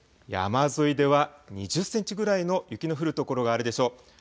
山沿いでは２０センチぐらいの雪の降る所があるでしょう。